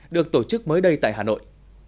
được tổ chức mới đây tại hà nội